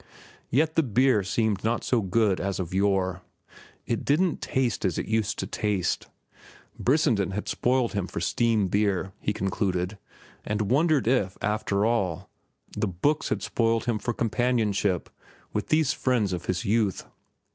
Yet the beer seemed not so good as of yore. It didn't taste as it used to taste. Brissenden had spoiled him for steam beer, he concluded, and wondered if, after all, the books had spoiled him for companionship with these friends of his youth.